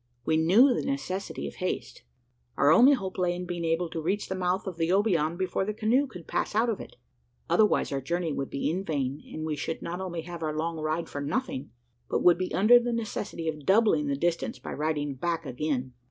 We knew the necessity of haste. Our only hope lay in being able to reach the mouth of the Obion before the canoe could pass out of it. Otherwise, our journey would be in vain; and we should not only have our long ride for nothing, but would be under the necessity of doubling the distance by riding back again.